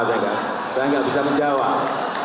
saya gak bisa menjawab